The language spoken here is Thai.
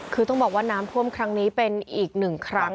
คือต้องบอกว่าน้ำท่วมครั้งนี้เป็นอีกหนึ่งครั้ง